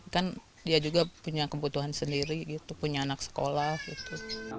kan dia juga punya kebutuhan sendiri gitu punya anak sekolah gitu